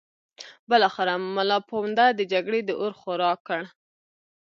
بالاخره ملا پوونده د جګړې د اور خوراک کړ.